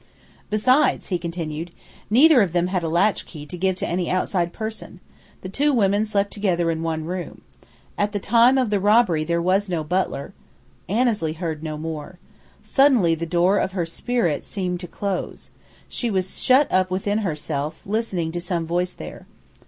"Besides," he continued, "neither of them had a latchkey to give to any outside person. The two women slept together in one room. At the time of the robbery there was no butler " Annesley heard no more. Suddenly the door of her spirit seemed to close. She was shut up within herself, listening to some voice there.